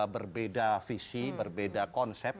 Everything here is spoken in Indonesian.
berbeda visi berbeda konsep